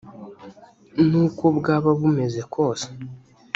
n uko bwaba bumeze kose